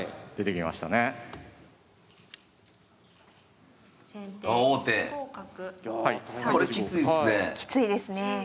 きついですね。